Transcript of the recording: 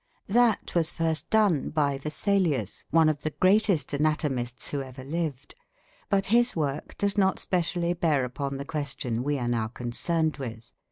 That was first done by Vesalius, one of the greatest anatomists who ever lived; but his work does not specially bear upon the question we are now concerned with.